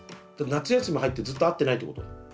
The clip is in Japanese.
夏休み入ってずっと会ってないってこと？